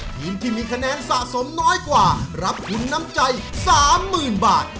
ทีมที่มีคะแนนสะสมน้อยกว่ารับทุนน้ำใจ๓๐๐๐บาท